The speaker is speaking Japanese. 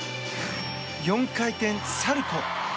４回転サルコウ。